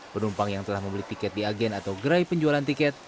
penumpang yang telah membeli tiket di agen atau gerai penjualan tiket